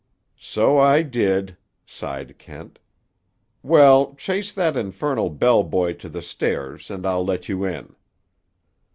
"So I did," sighed Kent. "Well, chase that infernal bell boy to the stairs, and I'll let you in."